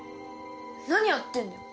何やってんだよ。